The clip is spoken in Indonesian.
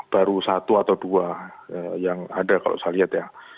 baru satu atau dua yang ada kalau saya lihat ya